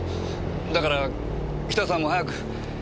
だからキタさんも早く。